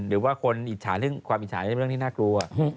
หรือว่าคนอิจฉาเรื่องความอิจฉานี่เป็นเรื่องที่น่ากลัว